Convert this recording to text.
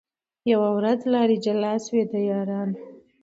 یوه ورځ لاري جلا سوې د یارانو